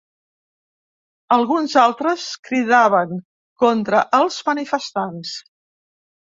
Alguns altres cridaven contra els manifestants.